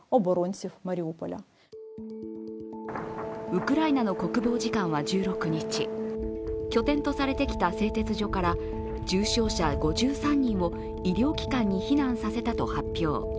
ウクライナの国防次官は１６日拠点とされてきた製鉄所から重傷者５３人を医療機関に避難させたと発表。